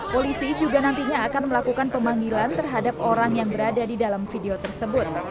polisi juga nantinya akan melakukan pemanggilan terhadap orang yang berada di dalam video tersebut